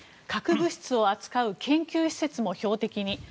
核物質を扱う研究施設も標的に。